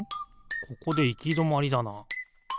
ここでいきどまりだな。